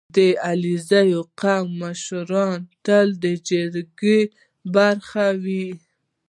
• د علیزي قوم مشران تل د جرګو برخه وي.